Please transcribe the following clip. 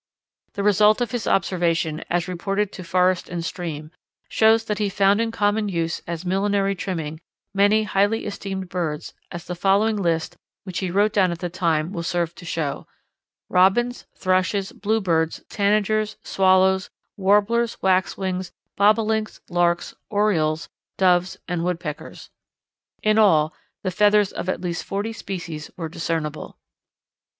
The result of his observation, as reported to Forest and Stream, shows that he found in common use as millinery trimming many highly esteemed birds as the following list which he wrote down at the time will serve to show: Robins, Thrushes, Bluebirds, Tanagers, Swallows, Warblers, Waxwings, Bobolinks, Larks, Orioles, Doves, and Woodpeckers. In all, the feathers of at least forty species were discernible.